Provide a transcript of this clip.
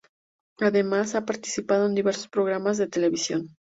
Además ha participado en diversos programas de televisión.